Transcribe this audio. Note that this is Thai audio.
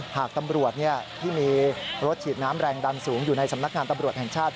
หากตำรวจที่มีรถฉีดน้ำแรงดันสูงอยู่ในสำนักงานตำรวจแห่งชาติ